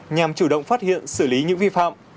nhằm chủ động phát hiện xử lý những vi phạm